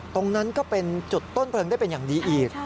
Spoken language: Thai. ตรงนั้นก็เป็นจุดต้นเพลิงได้เป็นอย่างดีอีก